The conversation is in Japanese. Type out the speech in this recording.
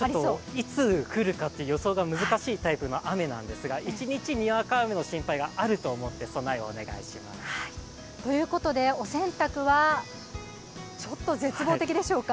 いつ来るかという予想が難しいタイプの雨なんですが、一日にわか雨の心配があると思って備えをお願いします。ということでお洗濯はちょっと絶望的でしょうか？